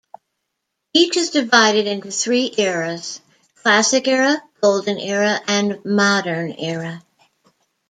Each is divided into three eras: Classic Era, Golden Era, and Modern Era.